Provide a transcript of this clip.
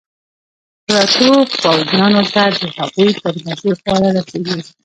پرتو پوځیانو ته د هغوی تر بسې خواړه رسېږي.